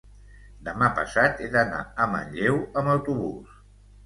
demà passat he d'anar a Manlleu amb autobús.